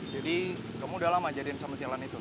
jadi kamu udah lama jadikan sama silam itu